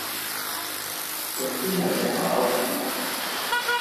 象邊有隻馬騮仔